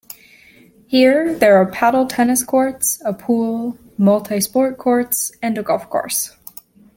Here, there are paddle tennis courts, a pool, multi-sport courts, and a golf course.